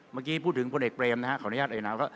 เมื่อกี้พูดถึงพลเอกเบรมนะครับ